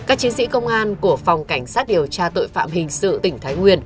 các chiến sĩ công an của phòng cảnh sát điều tra tội phạm hình sự tỉnh thái nguyên